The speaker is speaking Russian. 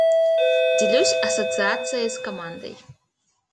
Делюсь ассоциацией с командой.